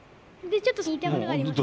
ちょっと言いたいことがあります。